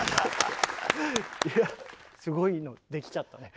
いやすごいのできちゃったね。